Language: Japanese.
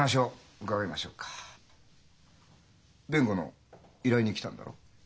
弁護の依頼に来たんだろ？